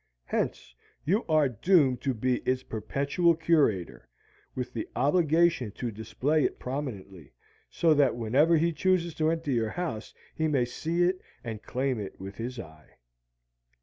Hence, you are doomed to be its perpetual curator, with the obligation to display it prominently, so that whenever he chooses to enter your house he may see it and claim it with his eye.